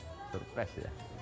sesuatu yang mungkin ya surprise ya